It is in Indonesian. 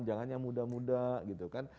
jangan yang muda muda gitu kan